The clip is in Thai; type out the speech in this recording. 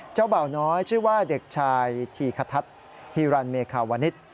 บ่าวน้อยชื่อว่าเด็กชายธีคทัศน์ฮิรันเมคาวนิษฐ์